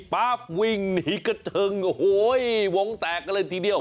ปั๊บวิ่งหนีกระเจิงโอ้โหวงแตกกันเลยทีเดียว